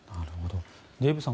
デーブさん